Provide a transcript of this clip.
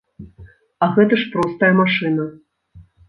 А гэта ж простая машына!